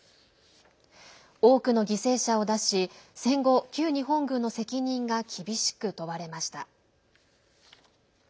多くの犠牲者を出し戦後、旧日本軍の責任が厳しく問われました。